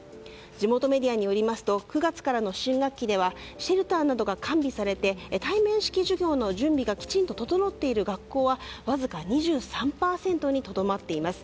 地元メディアによりますと９月からの新学期ではシェルターなどが完備されて対面式授業の準備がきちんと整っている学校はわずか２３％にとどまっています。